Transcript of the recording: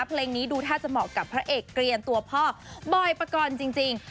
เพลงนี้ดูท่าจะเหมาะกับพระเอกเกลียนตัวพ่อบอยปกรณ์จริง